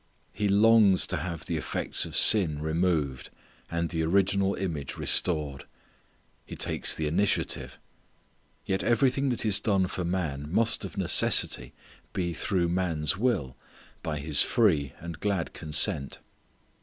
He longs to have the effects of sin removed, and the original image restored. He takes the initiative. Yet everything that is done for man must of necessity be through man's will; by his free and glad consent.